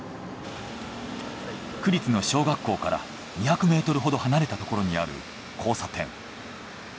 区立の小学校から２００ｍほど離れたところにある交差点。